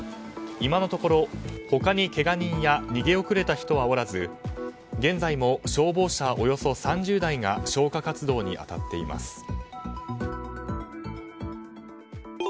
今のところ、他にけが人や逃げ遅れた人はおらず現在も消防車およそ３０台が消火活動に当たっています。